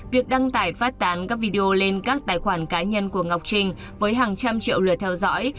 việc đăng tải phát tán các video lên các tài khoản cá nhân của ngọc trinh với hàng trăm triệu lượt theo dõi